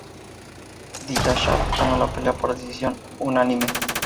Dillashaw ganó la pelea por decisión unánime.